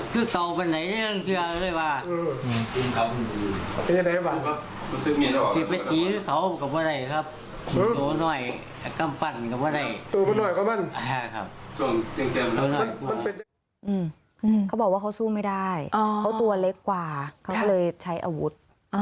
เขาบอกว่าเขาสู้ไม่ได้เขาตัวเล็กกว่าเขาเลยใช้อาวุธ